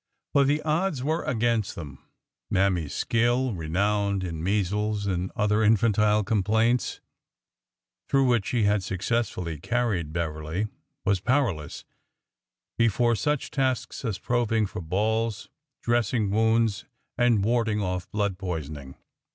But the odds were against them. Mammy's skill, re nowned in measles and other infantile complaints through which she had successfully carried Beverly, was powerless before such tasks as probing for balls, dress ing wounds, and warding off blood poisoning.